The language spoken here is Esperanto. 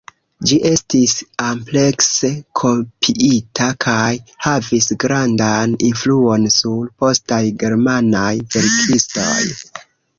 Ĝi estis amplekse kopiita kaj havis grandan influon sur postaj germanaj verkistoj.